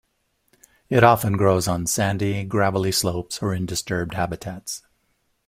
It often grows on sandy, gravelly slopes or in disturbed habitats.